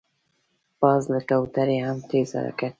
باز له کوترې هم تېز حرکت کوي